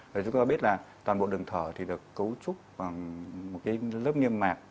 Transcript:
và chúng ta biết là toàn bộ đường thở thì được cấu trúc bằng một cái lớp niêm mạc